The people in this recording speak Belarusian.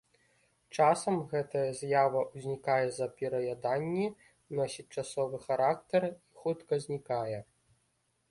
Часам гэта з'ява ўзнікае з-за пераяданні, носіць часовы характар і хутка знікае.